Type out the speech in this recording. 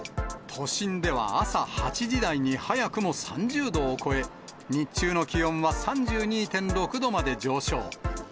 都心では朝８時台に、早くも３０度を超え、日中の気温は３２．６度まで上昇。